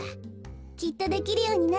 きっとできるようになるわ。